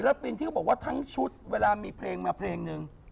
แล้วปินที่เขาบอกว่าทั้งชุดเวลามีเพลงมาเพลงนึง